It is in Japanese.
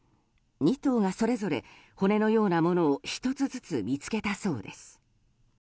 ２頭がそれぞれ骨のようなものを１つずつ見つけたそうです。